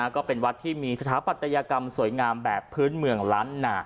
ก็เป็นวัดที่มีสถาปัตยกรรมสวยงามแบบพื้นเมืองล้านหนา